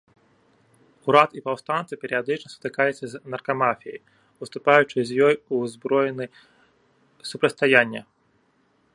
Урад і паўстанцы перыядычна сутыкаліся з наркамафіяй, уступаючы з ёй у ўзброены супрацьстаяння.